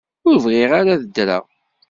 Ur bɣiɣ ara ad ddreɣ.